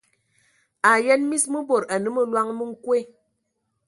A yən mis mə bod anə məloŋ mə nkoe.